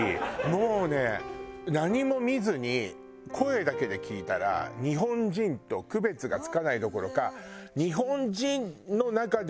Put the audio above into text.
もうね何も見ずに声だけで聞いたら日本人と区別がつかないどころか日本人の中でも丁寧な部類に入る。